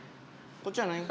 こっちやないん？